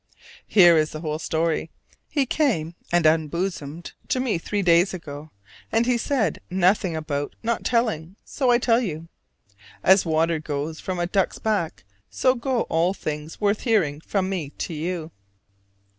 Here is the whole story: he came and unbosomed to me three days ago: and he said nothing about not telling, so I tell you. As water goes from a duck's back, so go all things worth hearing from me to you.